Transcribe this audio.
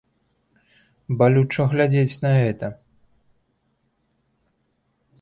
Балюча глядзець на гэта.